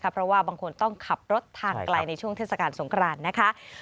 เพราะว่าบางคนต้องขับรถทางไกลในช่วงเทศกาลสงครานนะคะ